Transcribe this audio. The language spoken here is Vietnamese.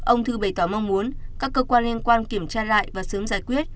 ông thư bày tỏ mong muốn các cơ quan liên quan kiểm tra lại và sớm giải quyết